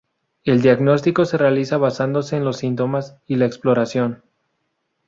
El diagnóstico se realiza basándose en los síntomas y la exploración.